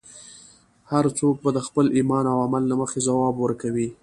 هر څوک به د خپل ایمان او عمل له مخې ځواب ورکوي.